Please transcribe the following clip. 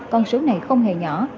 con sướng này không hề nhỏ